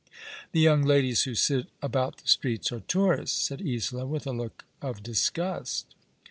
" The young ladies who sit about the streets are tourists," said Isola, with a look of disgust.